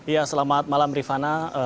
ya selamat malam rifana